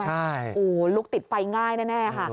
ใช่ลุกติดไฟง่ายแน่ค่ะ